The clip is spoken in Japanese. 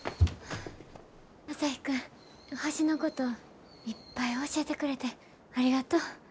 朝陽君星のこといっぱい教えてくれてありがとう。